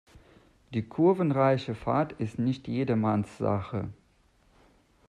Die kurvenreiche Fahrt ist nicht jedermanns Sache.